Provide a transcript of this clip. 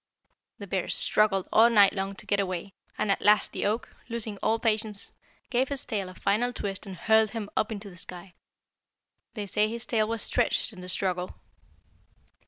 The bear struggled all night long to get away, and at last the oak, losing all patience, gave his tail a final twist and hurled him up into the sky. They say his tail was stretched in the struggle."